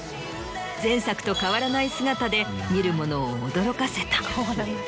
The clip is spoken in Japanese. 前作と変わらない姿で見る者を驚かせた。